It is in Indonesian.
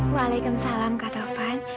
waalaikumsalam kak taufan